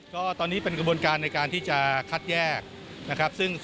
ก็ตอนนี้เป็นกระบวนการในการที่จะคัดแยกนะครับ